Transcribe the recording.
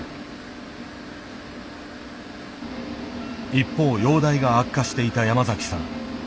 一方容体が悪化していた山崎さん。